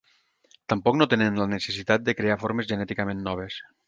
Tampoc no tenen la necessitat de crear formes genèticament noves.